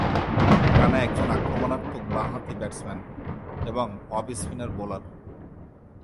রানা একজন আক্রমণাত্মক বাঁহাতি ব্যাটসম্যান এবং অফ স্পিন বোলার।